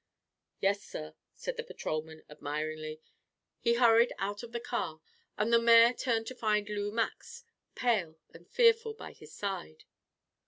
"Yes, sir," said the patrolman admiringly. He hurried out of the car, and the mayor turned to find Lou Max pale and fearful by his side.